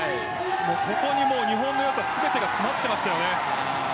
ここに日本の良さ全てが詰まっていましたよね。